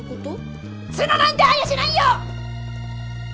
ツノなんてありゃしないよ！